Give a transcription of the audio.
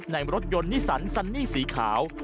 มันกลับมาแล้ว